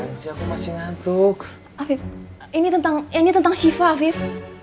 ini tentang ini tentang siva afif